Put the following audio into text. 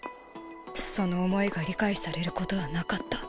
その思いが理解されることはなかった。